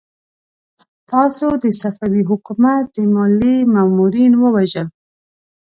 تاسو د صفوي حکومت د ماليې مامورين ووژل!